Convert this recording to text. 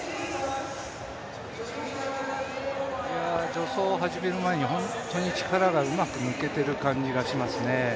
助走を始める前に本当に力がうまく抜けてる感じがしますね。